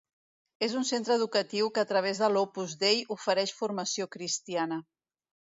És un centre educatiu que a través de l'Opus Dei ofereix formació cristiana.